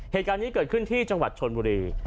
เหตุการณ์นี้เกิดขึ้นที่จังหวัดชนบุรี